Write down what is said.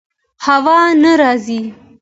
هوا نه راځي